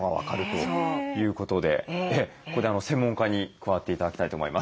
いうことでここで専門家に加わって頂きたいと思います。